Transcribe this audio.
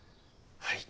はい。